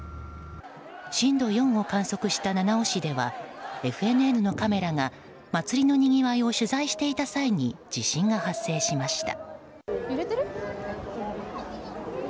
震度４を観測した七尾市ではＦＮＮのカメラが祭りのにぎわいを取材していた際に地震が発生しました。